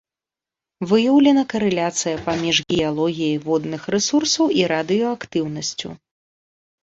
Выяўлена карэляцыя паміж геалогіяй водных рэсурсаў і радыеактыўнасцю.